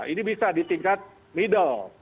ini bisa di tingkat middle